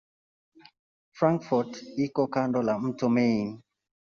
Frankfurt iko kando la mto Main.